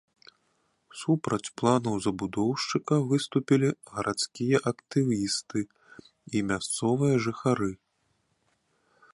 Супраць планаў забудоўшчыка выступілі гарадскія актывісты і мясцовыя жыхары.